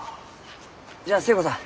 じゃあ寿恵子さん